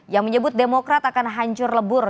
yang menyebut demokrat akan hancur lebur